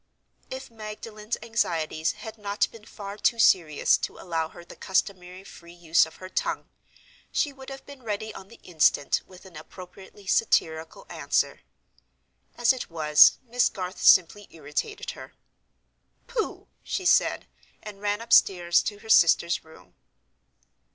If Magdalen's anxieties had not been far too serious to allow her the customary free use of her tongue, she would have been ready on the instant with an appropriately satirical answer. As it was, Miss Garth simply irritated her. "Pooh!" she said—and ran upstairs to her sister's room.